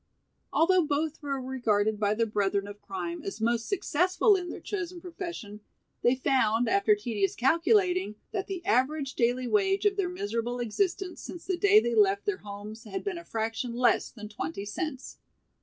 Although both were regarded by their brethren of crime as most successful in their chosen profession, they found after tedious calculating that the average daily wage of their miserable existence since the day they left their homes had been a fraction less than twenty cents.